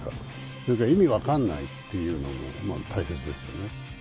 それから意味分かんないというのもまあ、大切ですよね。